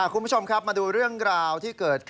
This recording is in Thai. คุณผู้ชมครับมาดูเรื่องราวที่เกิดขึ้น